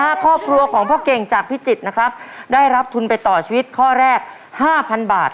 ถ้าครอบครัวของพ่อเก่งจากพิจิตรนะครับได้รับทุนไปต่อชีวิตข้อแรกห้าพันบาท